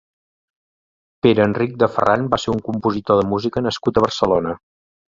Pere Enric de Ferrán va ser un compositor de música nascut a Barcelona.